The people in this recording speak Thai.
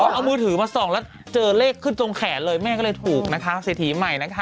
เอามือถือมาส่องแล้วเจอเลขขึ้นตรงแขนเลยแม่ก็เลยถูกนะคะเศรษฐีใหม่นะคะ